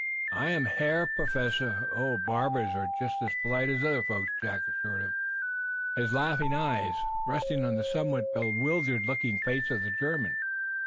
'" "I am Herr Professor " "Oh, barbers are just as polite as other folks," Jack assured him, his laughing eyes resting on the somewhat bewildered looking face of the German.